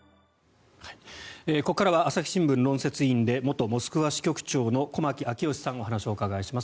ここからは朝日新聞論説委員で元モスクワ支局長の駒木明義さんにお話をお伺いします。